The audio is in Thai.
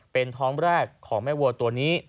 เป็นท้องแรกของแม่วัวตัวนี้